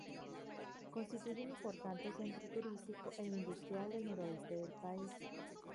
Constituye un importante centro turístico e industrial del noroeste del país.